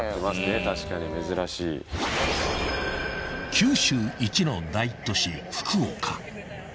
［九州一の大都市］